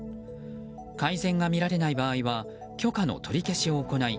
改善がみられない場合は許可の取り消しを行い